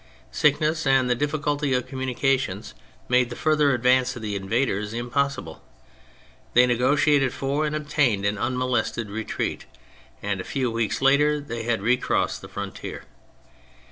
Sickness and the difficulty of communications made the further advance of the invaders im possible. They negotiated for and obtained an unmolested retreat, and a few weeks later they had re crossed the frontier.